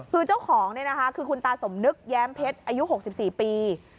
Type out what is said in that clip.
คือเจ้าของโค้นต้าสมนึกแยมเพชรอายุ๖๔ปี